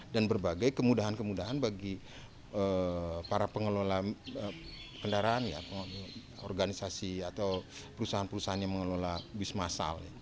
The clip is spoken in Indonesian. dan berbagai kemudahan kemudahan bagi para pengelola kendaraan organisasi atau perusahaan perusahaan yang mengelola bis masal